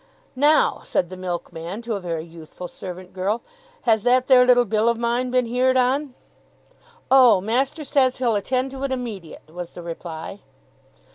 'Now,' said the milkman to a very youthful servant girl. 'Has that there little bill of mine been heerd on?' 'Oh, master says he'll attend to it immediate,' was the reply.